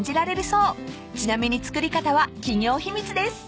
［ちなみに作り方は企業秘密です］